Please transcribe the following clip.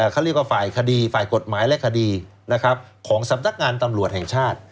เขาเรียกว่าฝ่ายคดีฝ่ายกฎหมายและคดีของสำนักงานตำรวจแห่งชาติ